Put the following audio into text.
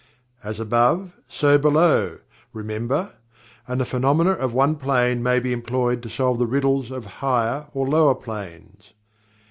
"As above, so below," remember, and the phenomena of one plane may be employed to solve the riddles of higher or lower planes.